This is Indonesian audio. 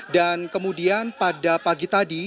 dan kemudian pada pagi tadi